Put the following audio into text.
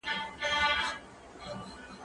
زه پرون کالي وچول